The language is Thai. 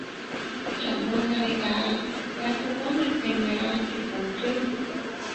ฉันมองนาฬิกาและพบว่ามันเป็นเวลาสิบโมงครึ่ง